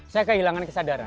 saya kehilangan kesadaran